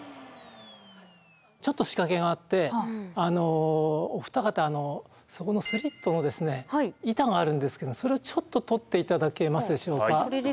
ちょっと仕掛けがあってお二方そこのスリットの板があるんですけどそれをちょっと取っていただけますでしょうか。